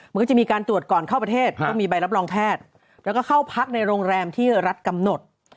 มันก็จะมีการตรวจก่อนเข้าประเทศต้องมีใบรับรองแพทย์แล้วก็เข้าพักในโรงแรมที่รัฐกำหนด